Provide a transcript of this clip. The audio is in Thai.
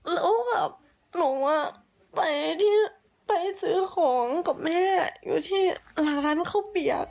แล้วแบบหนูอ่ะไปที่ไปซื้อของกับแม่อยู่ที่ร้านเขาเบียก